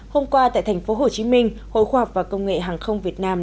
hôm qua tại thành phố hồ chí minh hội khoa học và công nghệ hàng không việt nam